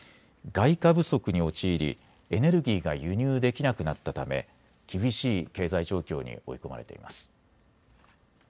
外貨不足に陥りエネルギーが輸入できなくなったため厳しい経済状況に追い込まれています。